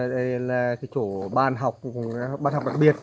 đây là cái chỗ ban học ban học đặc biệt